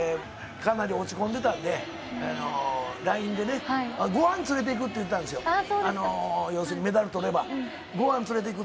かなり落ち込んでたので、ＬＩＮＥでご飯連れてくって言うたんですよ、メダルを取れば。